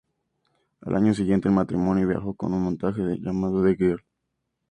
Al año siguiente el matrimonio viajó con un montaje llamado "The Girl".